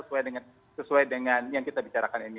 sesuai dengan yang kita bicarakan ini